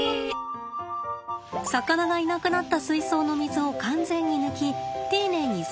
魚がいなくなった水槽の水を完全に抜き丁寧に掃除します。